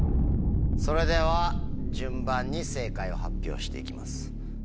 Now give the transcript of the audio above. それでは順番に正解を発表して行きます。